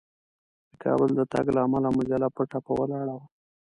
د کابل د تګ له امله مجله په ټپه ولاړه وه.